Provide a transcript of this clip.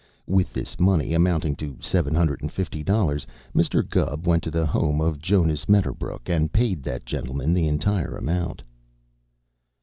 With this money, amounting to seven hundred and fifty dollars, Mr. Gubb went to the home of Jonas Medderbrook and paid that gentleman the entire amount.